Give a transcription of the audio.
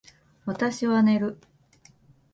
私は寝る